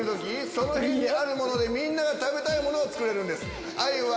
その辺にあるものでみんなが食べたいものを作れるんです。あゆは。